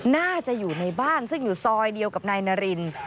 น่าจะอยู่ในบ้านซึ่งอยู่ซอยเดียวกับนายนาริน